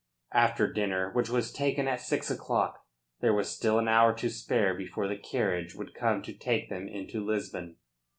After dinner which was taken at six o'clock there was still an hour to spare before the carriage would come to take them into Lisbon.